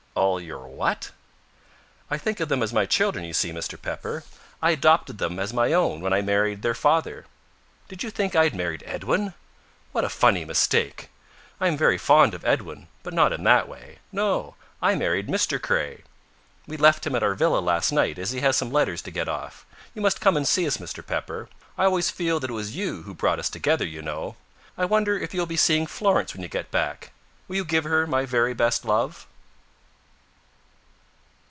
"All your what?" "I think of them as my children, you see, Mr. Pepper. I adopted them as my own when I married their father. Did you think I had married Edwin? What a funny mistake. I am very fond of Edwin, but not in that way. No, I married Mr. Craye. We left him at our villa tonight, as he had some letters to get off. You must come and see us, Mr. Pepper. I always feel that it was you who brought us together, you know. I wonder if you will be seeing Florence when you get back? Will you give her my very best love?"